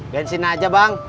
bensin aja bang